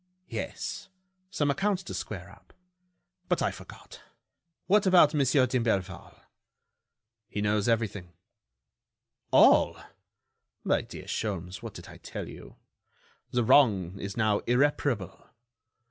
"Yes, some accounts to square up.... But I forgot ... what about Monsieur d'Imblevalle?" "He knows everything." "All! my dear Sholmes, what did I tell you? The wrong is now irreparable.